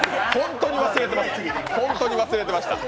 ホントに忘れてました。